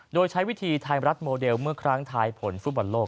โดยใช้วิธีไทยรัฐโมเดลเมื่อครั้งทายผลฟุตบอลโลก